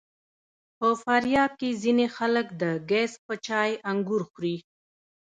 په فاریاب کې ځینې خلک د ګیځ په چای انګور خوري.